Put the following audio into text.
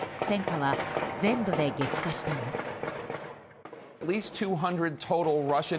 戦火は、全土で激化しています。